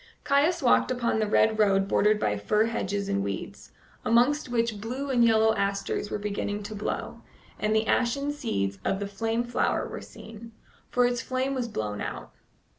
Caius walked upon the red road bordered by fir hedges and weeds, amongst which blue and yellow asters were beginning to blow, and the ashen seeds of the flame flower were seen, for its flame was blown out.